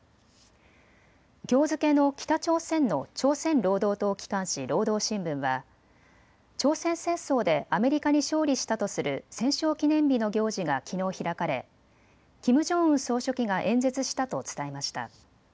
きょう付けの北朝鮮の朝鮮労働党機関紙、労働新聞は朝鮮戦争でアメリカに勝利したとする戦勝記念日の行事がきのう開かれキム・ジョンウン総書記が演説したと伝えました。